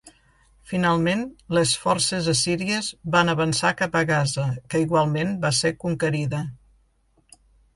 Finalment les forces assíries van avançar cap a Gaza que igualment va ser conquerida.